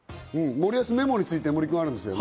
森保メモについて、あるんですよね。